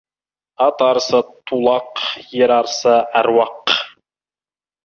Ат арыса — тулақ, ер арыса — әруақ.